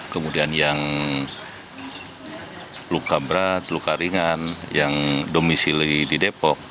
kemudian yang luka berat luka ringan yang domisi lagi di depok